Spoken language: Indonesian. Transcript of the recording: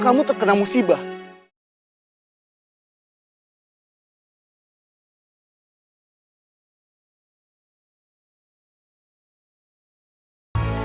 kamu anak dari teman bopo ku